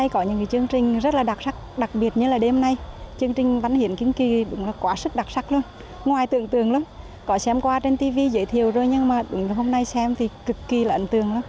chương trình rất là đặc sắc đặc biệt như là đêm nay chương trình văn hiến kiến kỳ đúng là quá sức đặc sắc luôn ngoài tượng tường lắm có xem qua trên tv giới thiệu rồi nhưng mà hôm nay xem thì cực kỳ là ấn tượng lắm